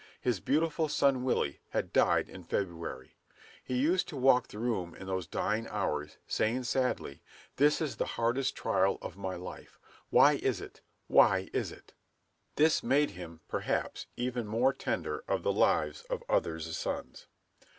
His beautiful son Willie had died in February. He used to walk the room in those dying hours, saying sadly, "This is the hardest trial of my life; why is it? why is it?" This made him, perhaps, even more tender of the lives of others' sons.